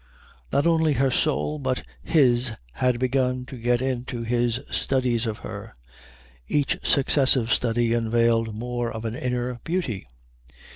Not only her soul but his had begun to get into his studies of her. Each successive study unveiled more of an inner beauty.